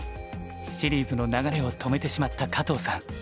シリーズの流れを止めてしまった加藤さん。